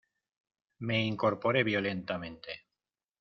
me incorporé violentamente: